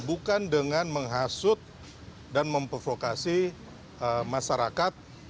bukan dengan menghasut dan memprovokasi masyarakat